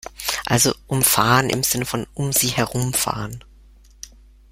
Also umfahren im Sinne von "um sie herum fahren".